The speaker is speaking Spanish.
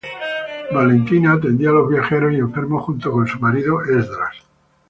Valentina atendía a los viajeros y enfermos, junto con su marido Esdras.